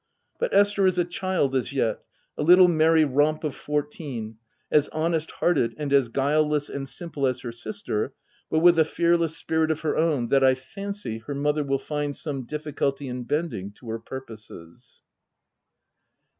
But Esther is a child as yet — a little merry romp of four teen : as honest hearted, and as guileless and simple as her sister, but with a fearless spirit of her own, that I fancy, her mother will find some difficulty in bending to her purposes.